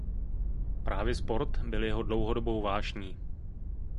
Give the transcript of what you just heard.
Právě sport byl jeho dlouhodobou vášní.